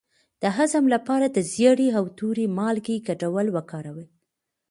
د هضم لپاره د زیرې او تورې مالګې ګډول وکاروئ